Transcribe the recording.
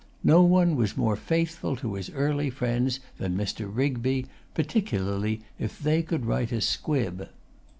No one was more faithful to his early friends than Mr. Rigby, particularly if they could write a squib.